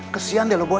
kesian deh lo boy